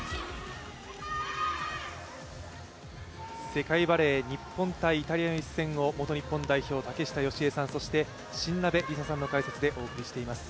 世界バレー、日本×イタリアの一戦を元日本代表・竹下佳江さんそして新鍋理沙さんの解説でお送りしています。